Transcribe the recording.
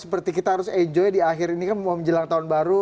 seperti kita harus enjoy di akhir ini kan mau menjelang tahun baru